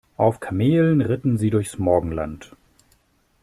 Auf Kamelen ritten sie durchs Morgenland.